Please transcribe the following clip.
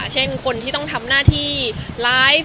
เช่นคนที่ต้องทำหน้าที่ไลฟ์